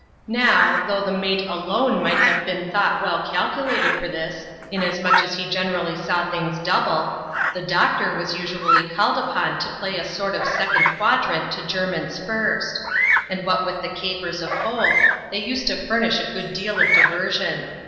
Now, though the mate alone might have been thought well calculated for this^ inasmuch as he generally saw things double the doctor was usually called upon to play a sort of aecondl quadrant to Jermin'a first; and what with, tiafe ^^Jg^x^ ^l\yi3D^ 69 ADVENTURES IN THE SOUTH SEAS. [chap, xra they used to furnish a good deal of diirersion.